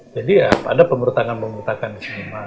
jadi ya ada pemberontakan pemberontakan di seniman